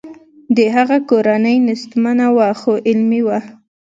د هغه کورنۍ نیستمنه وه خو علمي وه